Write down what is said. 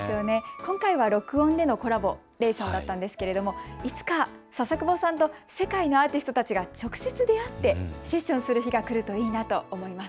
今回は録音でのコラボレーションだったんですがいつか笹久保さんと世界のアーティストたちが直接出会ってセッションする日が来るといいなと思います。